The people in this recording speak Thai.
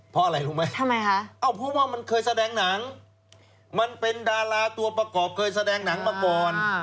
เพราะมันเคยแสดงหนังมันเป็นดาราตัวประกอบเคยแสดงหนังมาก่อน